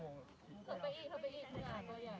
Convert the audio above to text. เมื่อเวลามีเวลาที่ไม่เห็น